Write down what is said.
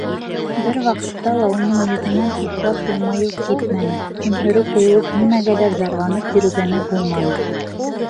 Бер ваҡытта ла уның йөҙөнән ихлас йылмайыу китмәне, һөмһөрө ҡойолоп, нимәгәлер зарланып йөрөгәне булманы.